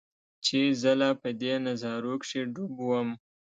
چې زۀ لا پۀ دې نظارو کښې ډوب ووم